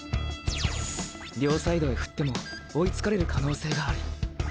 両サイドへ振っても追いつかれる可能性がある。